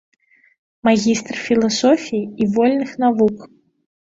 Магістр філасофіі і вольных навук.